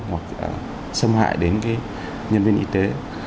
hoặc xâm hại đến cái nhân viên y tế